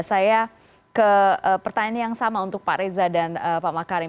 saya ke pertanyaan yang sama untuk pak reza dan pak makarim